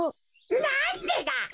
なんでだ？